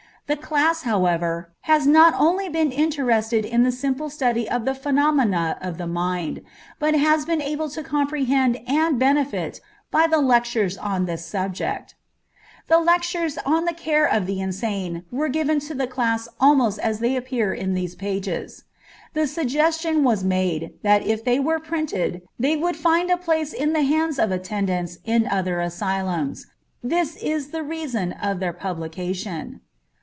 The class, however, has not only been interested in the simple study of the phenomena of the mind, but has been able to comprehend and profit by the lectures on this subject. The lectures on the care of the insane were given to the class almost as they appear in these pages. The suggestion was made that if they were printed they would find a place in the hands of attendants in other asylums. This is the reason of their publication.